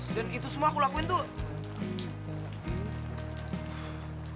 dan itu semua aku lakuin tuh